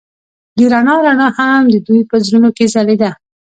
د رڼا رڼا هم د دوی په زړونو کې ځلېده.